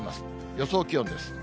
予想気温です。